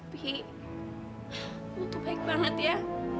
bi lo tuh baik banget ya